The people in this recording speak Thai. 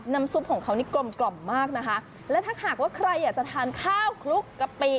ซุปของเขานี่กลมกล่อมมากนะคะและถ้าหากว่าใครอยากจะทานข้าวคลุกกะปิ